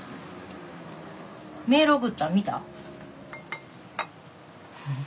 メール送ったん見た？